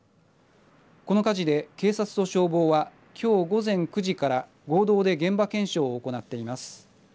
この火事で、警察と消防はきょう午前９時から合同で現場検証を行っています。